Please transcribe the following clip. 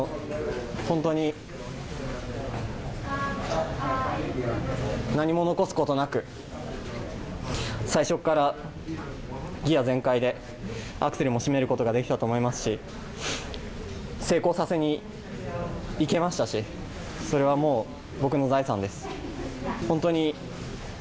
本当に何も残すことなく、最初からギア全開でアクセルもしめることができたと思いますし成功させにいけましたし、それはもう僕の財産です。